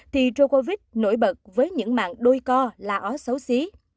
thì rovit nổi bật với những mạng đôi co là ó xấu xí